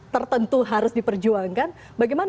tertentu harus diperjuangkan bagaimana